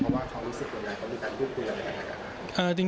เพราะว่าเขารู้สึกว่าอย่างไรเขามีการกลุ้มตัวอย่างไร